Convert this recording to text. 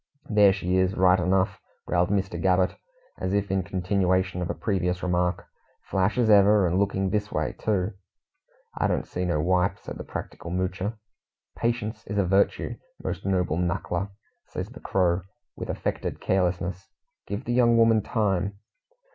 "There she is, right enough," growled Mr. Gabbett, as if in continuation of a previous remark. "Flash as ever, and looking this way, too." "I don't see no wipe," said the practical Moocher. "Patience is a virtue, most noble knuckler!" says the Crow, with affected carelessness. "Give the young woman time."